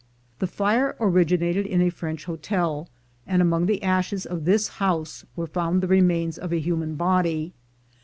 The fire originated in a French hotel, and among the ashes of this house were found the remains of a human body.